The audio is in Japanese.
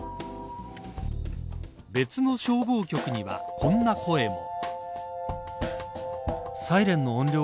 別の消防局には、こんな声も。